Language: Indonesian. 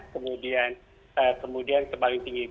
kemudian ke paling tinggi